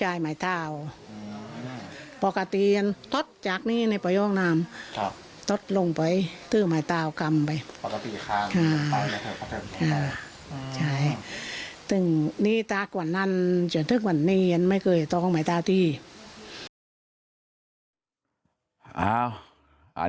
อ้าวอันนี้แม่ของเจ้าของเหล็กไหล